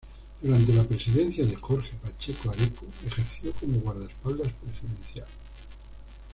Durante la presidencia de Jorge Pacheco Areco ejerció como guardaespaldas presidencial.